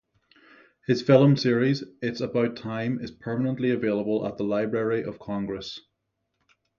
His filmed series, "It's About Time," is permanently available at the Library of Congress.